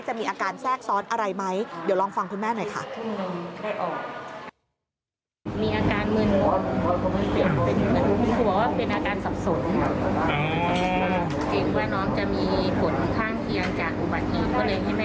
มีอาการแทรกซ้อนอะไรไหมเดี๋ยวลองฟังคุณแม่หน่อยค่ะ